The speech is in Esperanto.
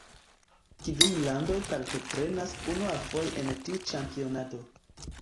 Kvin landoj partoprenas unuafoje en tiu ĉampionado.